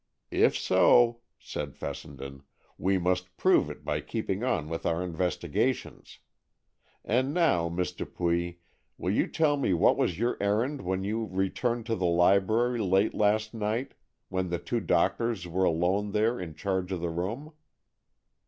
"If so," said Fessenden, "we must prove it by keeping on with our investigations. And now, Miss Dupuy, will you tell me what was your errand when you returned to the library late last night, when the two doctors were alone there in charge of the room?"